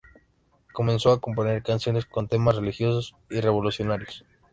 Comenzó a componer canciones con temas religiosos y revolucionarios.